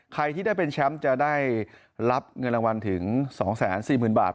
ใครที่ได้เป็นแชมป์จะได้รับเงินรางวัลถึง๒๔๐๐๐บาท